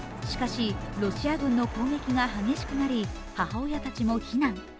しかしロシア軍の攻撃が激しくなり母親たちも避難。